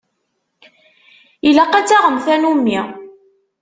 Ilaq ad taɣem tanumi.